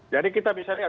jadi kita bisa lihat